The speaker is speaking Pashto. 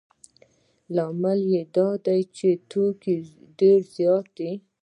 لامل یې دا دی چې توکي ډېر زیات دي